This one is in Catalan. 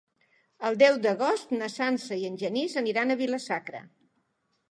El deu d'agost na Sança i en Genís aniran a Vila-sacra.